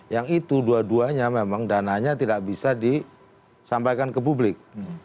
yang itu dua duanya memang dananya tidak bisa disampaikan ke publik